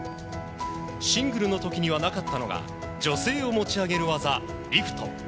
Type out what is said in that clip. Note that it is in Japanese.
シングルの時にはなかったのが女性を持ち上げる技、リフト。